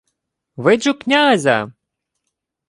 — Виджу князя.